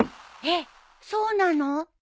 えっそうなの？